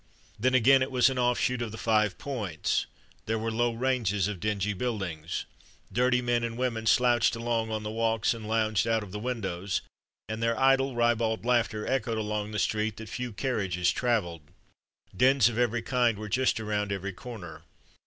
Then, again, it was an offshoot of the Five Points. There were low ranges of dingy buildings. Dirty men and women slouched along on the walks and lounged out of the windows, and their idle, ribald laughter echoed along the street that few carriages travelled. Dens of every kind were just around every corner.